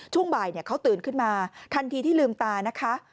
ช่วงบ่ายเขาตื่นขึ้นมาทันทีที่ลืมตานะคะ